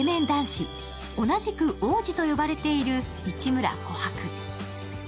男子、同じく王子と呼ばれている市村琥珀。